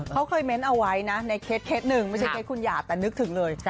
เขาเคยเม้นต์เอาไว้นะในเคสหนึ่งไม่ใช่เคสคุณหยาดแต่นึกถึงเลย